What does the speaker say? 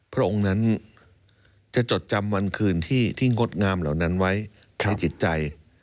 พระองค์นั้นจะจดจำวันคืนที่งดงามเหล่านั้นไว้ในจิตใจ